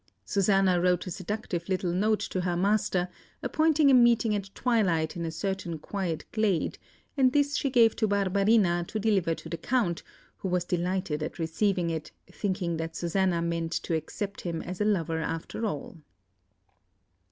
Susanna wrote a seductive little note to her master, appointing a meeting at twilight in a certain quiet glade; and this she gave to Barbarina to deliver to the Count, who was delighted at receiving it, thinking that Susanna meant to accept him as a lover after all.